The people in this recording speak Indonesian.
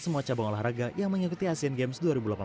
semua cabang olahraga yang mengikuti asean games dua ribu delapan belas